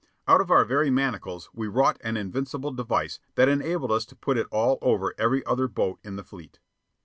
Out of our very manacles we wrought an invincible device that enabled us to put it all over every other boat in the fleet.